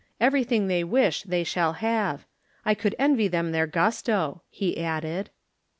Everything they wish they shall have — I could envy them their gusto," he added.